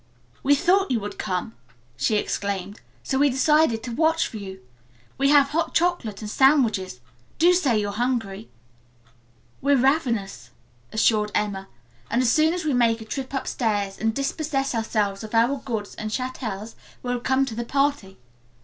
"We thought you would come!" she exclaimed, "so we decided to watch for you. We have hot chocolate and sandwiches. Do say you're hungry." "We are ravenous," assured Emma, "and as soon as we make a trip upstairs and dispossess ourselves of our goods and chattels we'll come to the party."